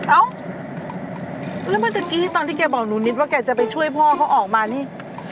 เอ้าแล้วเมื่อตะกี้ตอนที่แกบอกหนูนิดว่าแกจะไปช่วยพ่อเขาออกมานี่